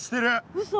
うそ？